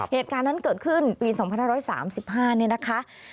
เหตุการณ์นั้นเกิดขึ้นปี๒๕๓๕เนี่ยนะคะ